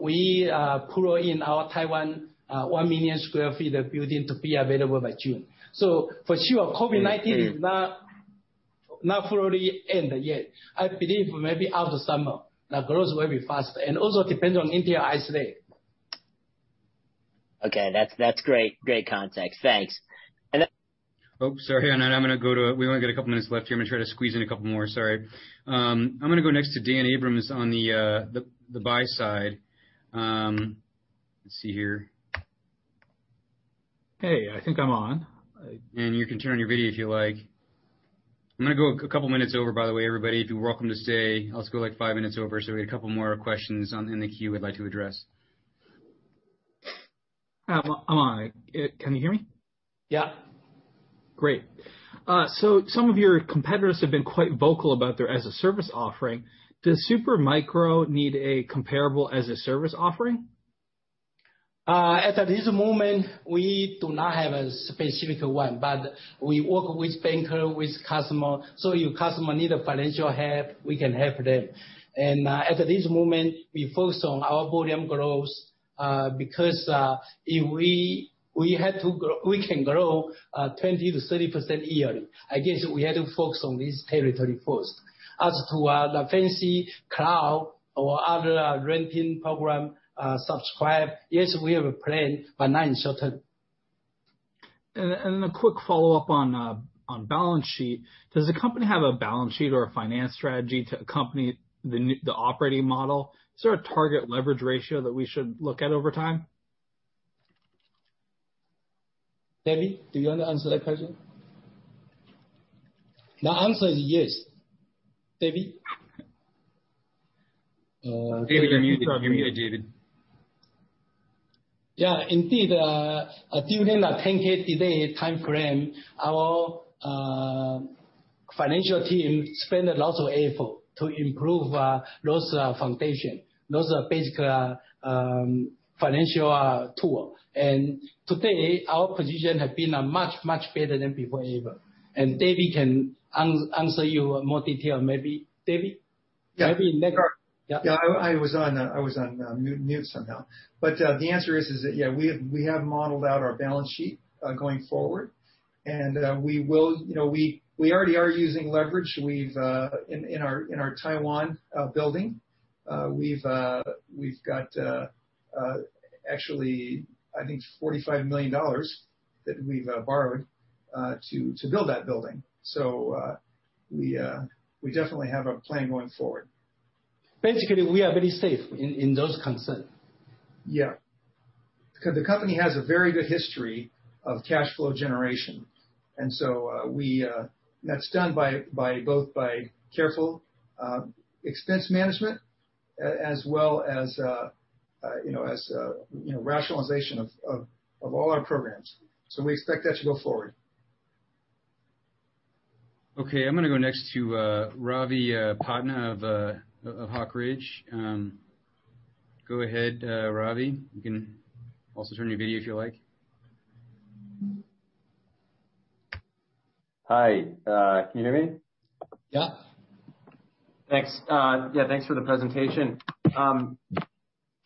we pull in our Taiwan 1 million sq ft of building to be available by June. For sure, COVID-19 is not fully end yet. I believe maybe after summer, the growth will be faster. Also depends on NVIDIA Ice Lake. Okay. That's great context. Thanks. Sorry, Ananda. We only got a couple minutes left here. I'm gonna try to squeeze in a couple more. Sorry. I'm gonna go next to Dan Abrams on the buy side. Let's see here. Hey, I think I'm on. You can turn on your video if you like. I'm going to go a couple of minutes over, by the way, everybody. You're welcome to stay. I'll just go five minutes over. We had a couple more questions in the queue I'd like to address. I'm on. Can you hear me? Yeah. Great. Some of your competitors have been quite vocal about their as a service offering. Does Supermicro need a comparable as a service offering? At this moment, we do not have a specific one, but we work with banker, with customer, so if customer need financial help, we can help them. At this moment, we focus on our volume growth, because we can grow 20%-30% yearly. I guess we had to focus on this territory first. As to the fancy cloud or other renting program, subscribe, yes, we have a plan, but not in short term. A quick follow-up on balance sheet. Does the company have a balance sheet or a finance strategy to accompany the operating model? Is there a target leverage ratio that we should look at over time? David, do you want to answer that question? The answer is yes. David? David, unmute your video. Yeah. Indeed, during the 10-K today timeframe, our financial team spend a lot of effort to improve those foundation, those basic financial tool. Today, our position have been much, much better than before ever. David can answer you more detail, maybe. David? Yeah. Yeah. I was on mute somehow. The answer is that, yeah, we have modeled out our balance sheet going forward, and we already are using leverage. In our Taiwan building, we've got, actually, I think $45 million that we've borrowed to build that building. We definitely have a plan going forward. Basically, we are very safe in those concerns. Yeah. The company has a very good history of cash flow generation. That's done both by careful expense management as well as rationalization of all our programs. We expect that to go forward. Okay. I'm going to go next to Ravi Patna of Hawk Ridge. Go ahead, Ravi. You can also turn your video if you like. Hi. Can you hear me? Yeah. Thanks. Yeah, thanks for the presentation.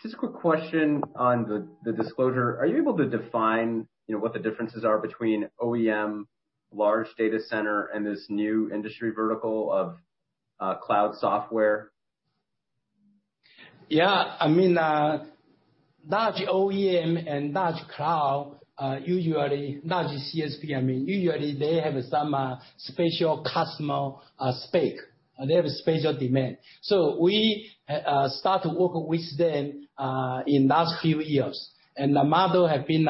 Just a quick question on the disclosure. Are you able to define what the differences are between OEM large data center and this new industry vertical of cloud software? Yeah. Large OEM and large cloud, usually large CSP, usually they have some special customer spec. They have a special demand. We start to work with them in last few years, and the model have been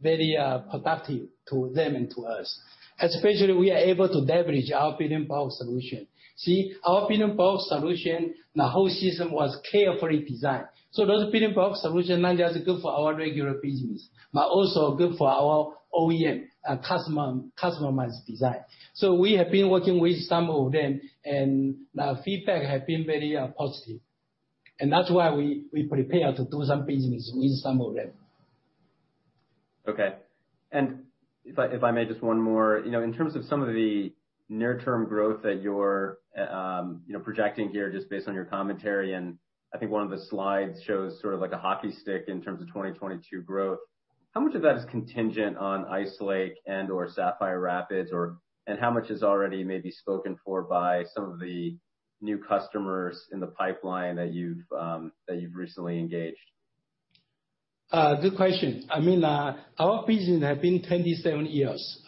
very productive to them and to us, especially we are able to leverage our Building Block Solution. See, our Building Block Solution, the whole system was carefully designed. Those Building Block Solution not just good for our regular business, but also good for our OEM customized design. We have been working with some of them, and the feedback have been very positive. That's why we prepare to do some business with some of them. Okay. If I may, just one more. In terms of some of the near-term growth that you're projecting here, just based on your commentary, and I think one of the slides shows sort of like a hockey stick in terms of 2022 growth. How much of that is contingent on Ice Lake and/or Sapphire Rapids, and how much is already maybe spoken for by some of the new customers in the pipeline that you've recently engaged? Good question. Our business have been 27 years,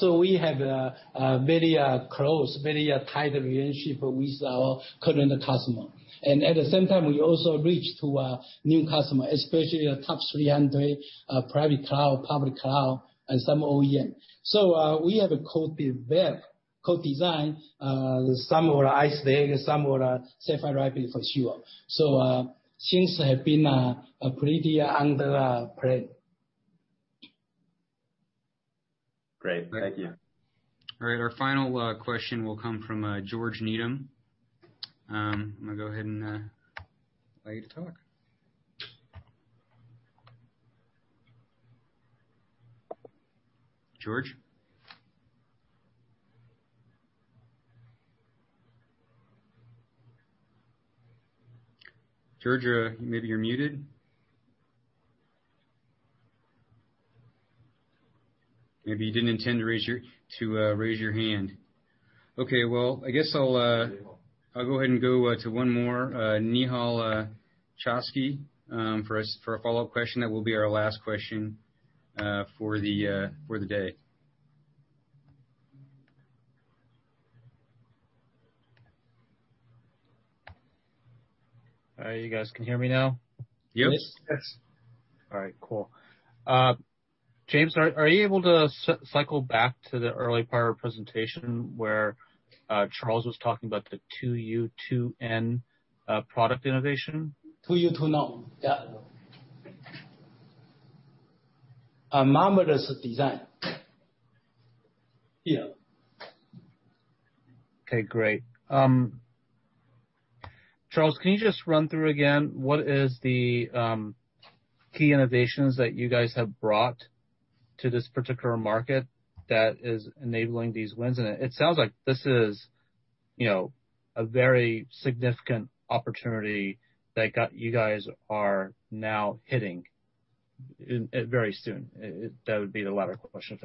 so we have a very close, very tight relationship with our current customer. At the same time, we also reach to new customer, especially the top 300 private cloud, public cloud, and some OEM. We have a co-developed, co-design, some for Ice Lake, some for Sapphire Rapids for sure. Things have been pretty under plan. Great. Thank you. All right. Our final question will come from George Needham. I'm gonna go ahead and allow you to talk. George? George, maybe you're muted. Maybe you didn't intend to raise your hand. Okay, well, I guess I'll go ahead and go to one more, Nehal Chokshi, for a follow-up question. That will be our last question for the day. All right. You guys can hear me now? Yes. Yes. All right, cool. James, are you able to cycle back to the early part of presentation where Charles was talking about the 2U, 2N product innovation? 2U, 2N. Yeah. A marvelous design. Yeah. Okay, great. Charles, can you just run through again what is the key innovations that you guys have brought to this particular market that is enabling these wins? It sounds like this is a very significant opportunity that you guys are now hitting very soon. That would be the latter question.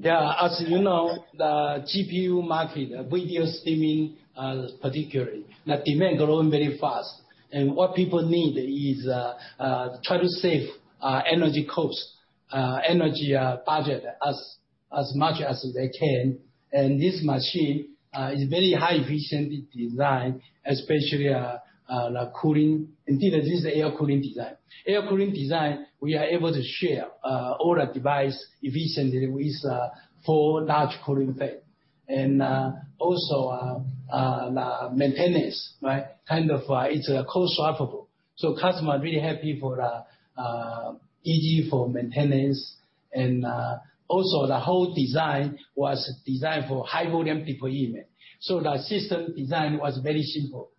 Yeah. As you know, the GPU market, video streaming, particularly, the demand growing very fast. What people need is try to save energy cost, energy budget as much as they can. This machine is very high efficient design, especially the cooling. Indeed, this is air cooling design. Air cooling design, we are able to share all the device efficiently with four large cooling fan. Also, the maintenance, right? It's hot swappable, customer really happy for easy for maintenance. Also, the whole design was designed for high volume per unit. The system design was very simple,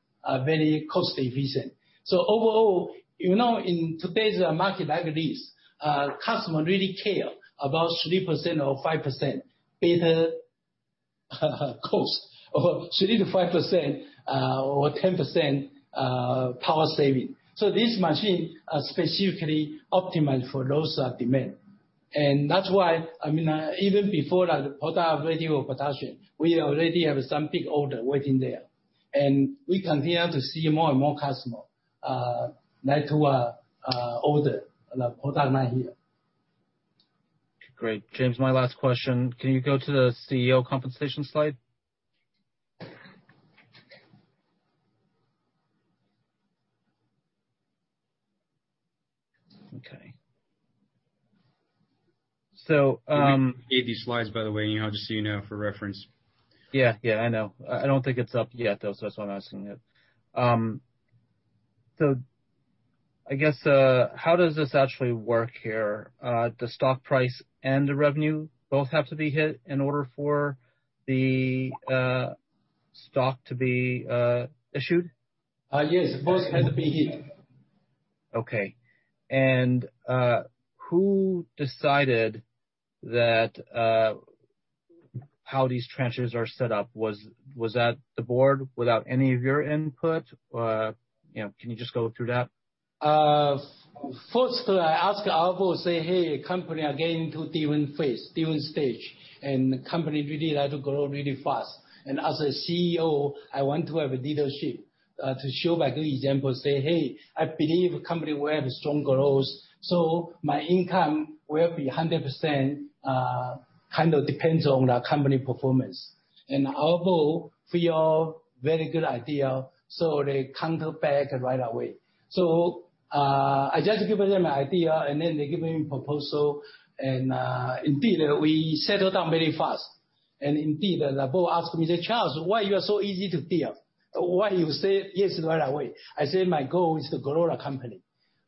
very cost efficient. Overall, in today's market like this, customer really care about 3% or 5% better cost. About 3%-5% or 10% power saving. This machine specifically optimized for those demand. That's why, even before the product ready for production, we already have some big order waiting there. We continue to see more and more customer like to order the product right here. Great. James, my last question. Can you go to the CEO compensation slide? Okay. These slides, by the way, just so you know, for reference. Yeah, I know. I don't think it's up yet, though, so that's why I'm asking it. I guess, how does this actually work here? The stock price and the revenue both have to be hit in order for the stock to be issued? Yes. Both have to be hit. Okay. Who decided how these tranches are set up? Was that the board without any of your input? Can you just go through that? First, I asked our board, say, "Hey, company are getting to different phase, different stage, and the company really like to grow really fast. As a CEO, I want to have a leadership, to show by good example, say, 'Hey, I believe the company will have strong growth, so my income will be 100%, kind of depends on the company performance.'" Our board feel very good idea, so they counter back right away. I just give them an idea, and then they give me proposal, and indeed, we settled down very fast. Indeed, the board asked me, they say, "Charles, why you are so easy to deal? Why you say yes right away?" I say, "My goal is to grow the company,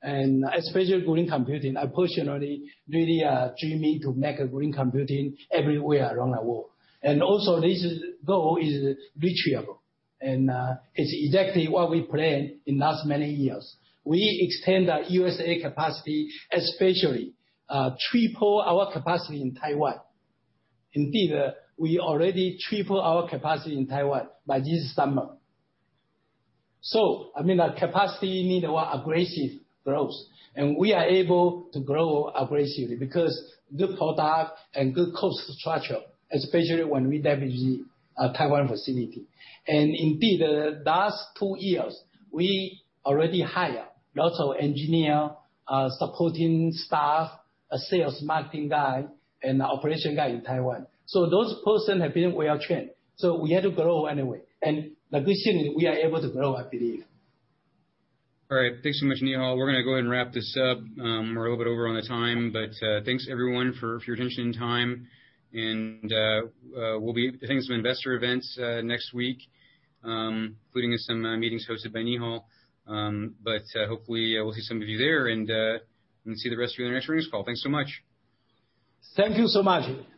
and especially green computing. I personally really dreaming to make a green computing everywhere around the world. This goal is reachable, and it's exactly what we planned in last many years. We extend our U.S.A. capacity, especially triple our capacity in Taiwan. We already triple our capacity in Taiwan by this summer. The capacity need aggressive growth. We are able to grow aggressively because good product and good cost structure, especially when we leverage the Taiwan facility. The last two years, we already hire lots of engineer, supporting staff, a sales marketing guy, and a operation guy in Taiwan. Those person have been well trained, so we had to grow anyway. The good thing is we are able to grow, I believe. All right. Thanks so much, Nehal. We're going to go ahead and wrap this up. We're a little bit over on the time. Thanks everyone for your attention and time. We'll be attending some investor events next week, including some meetings hosted by Nehal. Hopefully, we'll see some of you there and see the rest of you in the next earnings call. Thanks so much. Thank you so much.